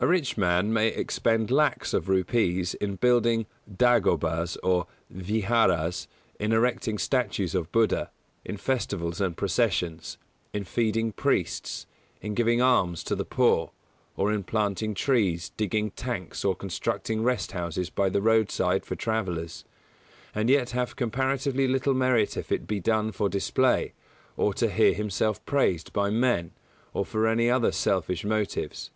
A rich man may expend lakhs of rupees in building dāgobas or vihāras, in erecting statues of Buddha, in festivals and processions, in feeding priests, in giving alms to the poor, or in planting trees, digging tanks, or constructing rest houses by the roadside for travellers, and yet have comparatively little merit if it be done for display, or to hear himself praised by men, or for any other selfish motives.